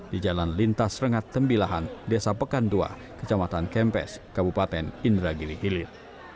di jalan lintas rengat tembilahan desa pekan dua kecamatan kempes kabupaten indragiri hilir